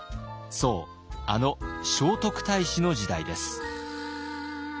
そうあの聖徳太子の時代です。